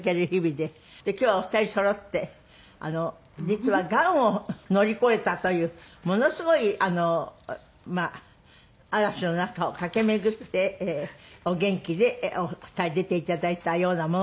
で今日はお二人そろって実はがんを乗り越えたというものすごい嵐の中を駆け巡ってお元気でお二人出て頂いたようなもので。